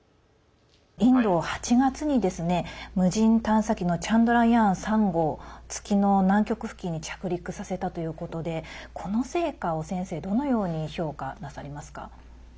インドは８月に無人探査機の「チャンドラヤーン３号」を月の南極付近に着陸させたということでこの成果を、先生どのように評価なさいますか？